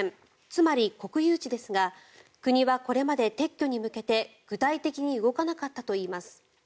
つまり国有地ですが国はこれまで撤去に向けて具体的に動かなかったといいます。